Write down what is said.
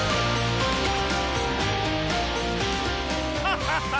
フハハハ！